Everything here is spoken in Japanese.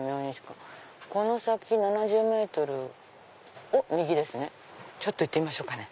この先７０ｍを右ですねちょっと行ってみましょうかね。